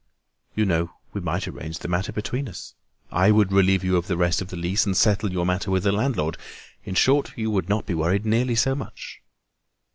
"You know, we might arrange the matter between us. I would relieve you of the rest of the lease and settle your matter with the landlord. In short, you would not be worried nearly so much."